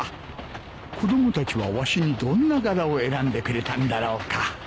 子供たちはわしにどんな柄を選んでくれたんだろうか